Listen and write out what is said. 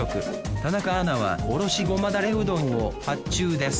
田中アナはおろしごまだれうどんを発注です